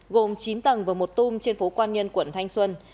gồm chín tầng và một tùm trên phố quan nhân quận thanh xuân